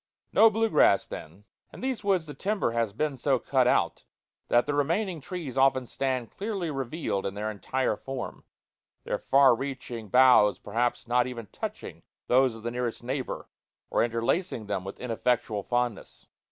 No blue grass then. In these woods the timber has been so cut out that the remaining trees often stand clearly revealed in their entire form, their far reaching boughs perhaps not even touching those of their nearest neighbor, or interlacing them with ineffectual fondness.